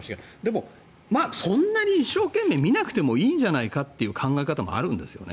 でも、そんなに一生懸命見なくてもいいんじゃないかという考え方もあるんですよね。